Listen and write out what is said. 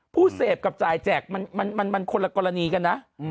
ผู้เสพกับจ่ายแจกมันคนละกรณีกันนะ